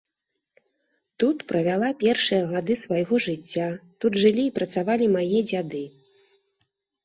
Тут правяла першыя гады свайго жыцця, тут жылі і працавалі мае дзяды.